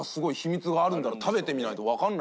食べてみないとわかんない。